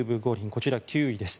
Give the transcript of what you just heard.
こちら、９位です。